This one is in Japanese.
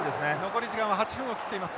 残り時間は８分を切っています。